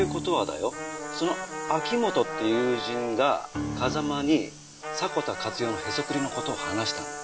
よその秋本って友人が風間に迫田勝代のへそくりの事を話したんだよ。